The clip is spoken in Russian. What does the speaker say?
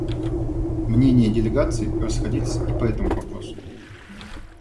Мнения делегаций расходились и по этому вопросу.